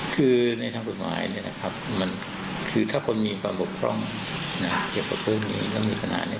คือในทางคุณหมายนี้นะครับมันคือถ้าคนมีความบกพร่องหนาเกี่ยวกับพวกนี้